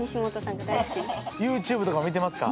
ＹｏｕＴｕｂｅとかも見てますか？